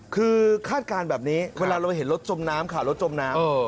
คือคาดการณ์แบบนี้เวลาเราเห็นรถจมน้ำค่ะรถจมน้ำ